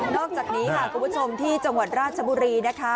อกจากนี้ค่ะคุณผู้ชมที่จังหวัดราชบุรีนะคะ